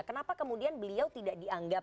kenapa kemudian beliau tidak dianggap